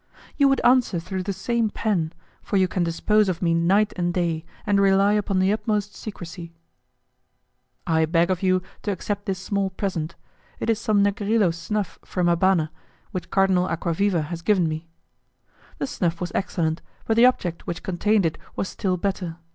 "You would answer through the same pen, for you can dispose of me night and day, and rely upon the utmost secrecy." "I beg of you to accept this small present; it is some negrillo snuff from Habana, which Cardinal Acquaviva has given me." The snuff was excellent, but the object which contained it was still better.